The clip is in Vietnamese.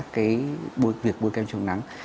về việc mua kem chống nắng